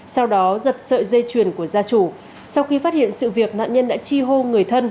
sau đó giật sợi dây chuyền của gia chủ sau khi phát hiện sự việc nạn nhân đã chi hô người thân